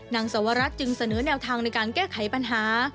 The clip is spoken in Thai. สวรรคจึงเสนอแนวทางในการแก้ไขปัญหา